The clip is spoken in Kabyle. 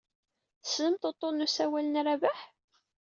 Tessnemt uḍḍun n usawal n Rabaḥ?